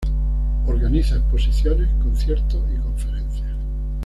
Organiza exposiciones, conciertos y conferencias.